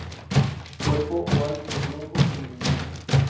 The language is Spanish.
Cuerpo oval-oblongo, comprimido.